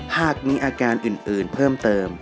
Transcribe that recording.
หากมีอาการอื่นเพิ่มเติม